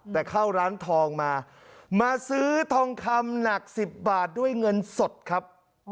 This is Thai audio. แต่เข้าร้านทองมามาซื้อทองคำหนัก๑๐บาทด้วยเงินสดครับ